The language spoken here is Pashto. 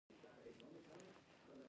آب وهوا د افغانستان د طبیعي زیرمو برخه ده.